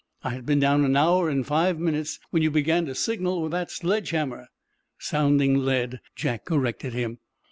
I had been down an hour and five minutes when you began to signal with that sledge hammer—" "Sounding lead," Jack corrected him.